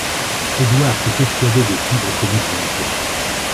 Édouard te persuadait de suivre son exemple.